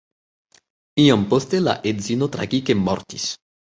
Iom poste la edzino tragike mortis.